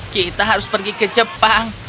kita harus pergi ke jepang